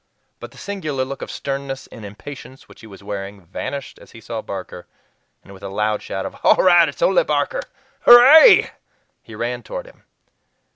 But the singular look of sternness and impatience which he was wearing vanished as he saw Barker, and with a loud shout of "All right, it's only Barker! Hooray!" he ran toward him.